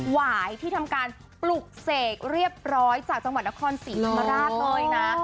หวายที่ทำการปลุกเสกเรียบร้อยจากจังหวัดนครศรีธรรมราชเลยนะ